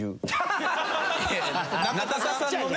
中田さんのね。